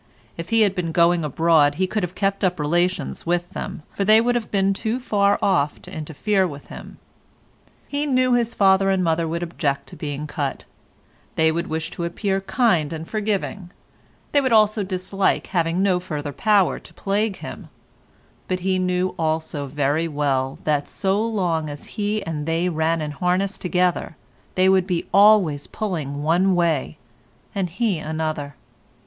If he had been going abroad he could have kept up relations with them, for they would have been too far off to interfere with him. He knew his father and mother would object to being cut; they would wish to appear kind and forgiving; they would also dislike having no further power to plague him; but he knew also very well that so long as he and they ran in harness together they would be always pulling one way and he another.